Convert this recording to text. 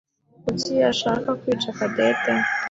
Kuki yashaka kwica Cadette?